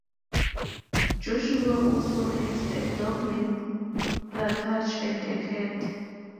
Joshua also has a dog named Plutarch and a cat.